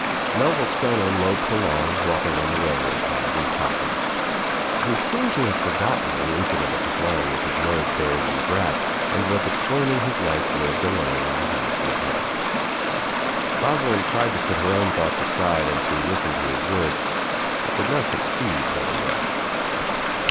Melville Stoner loped along, walking on the railroad ties and talking. He seemed to have forgotten the in cident of his lying with his nose burled in the grass and was explaining his life lived alone in the house in town. Rosalind tried to put her own thoughts aside and to listen to his words but did not succeed very well.